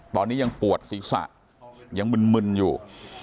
ตอนนี้ยังปวดศีรษะยังมึนอยู่